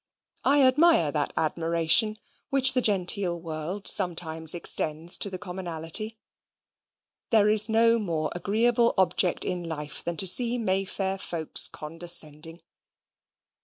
I admire that admiration which the genteel world sometimes extends to the commonalty. There is no more agreeable object in life than to see Mayfair folks condescending.